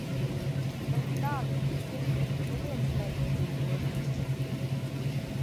Pēc tāda kritiena neviens neizdzīvotu.